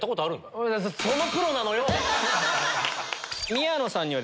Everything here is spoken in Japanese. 宮野さんには。